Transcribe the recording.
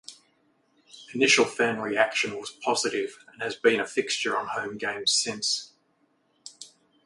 Initial fan reaction was positive, and has been a fixture on home games since.